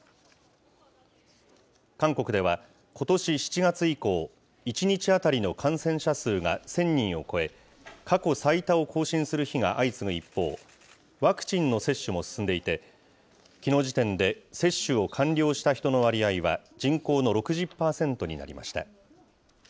韓国では、ことし７月以降、１日当たりの感染者数が１０００人を超え、過去最多を更新する日が相次ぐ一方、ワクチンの接種も進んでいて、きのう時点で接種を完了した人の割合は人口の６０％になりました。